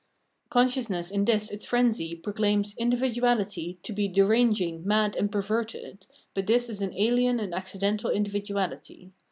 Consciousness in this its frenzy proclaims individuality to be deranging, mad, and perverted, but this is an alien and accidental individuality.